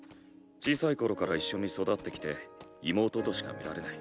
小さい頃から一緒に育ってきて妹としか見られない。